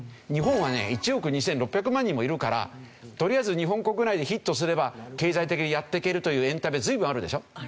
日本はね１億２６００万人もいるからとりあえず日本国内でヒットすれば経済的にやっていけるというエンタメ随分あるでしょ。